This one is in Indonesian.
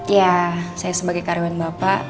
ya saya sebagai karyawan bapak